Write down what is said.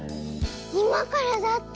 いまからだって！